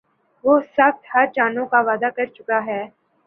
وہ سخت ہرجانوں کا وعدہ کر چُکا ہے